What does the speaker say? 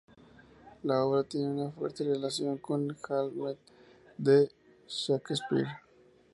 La obra tiene una fuerte relación con el "Hamlet" de Shakespeare.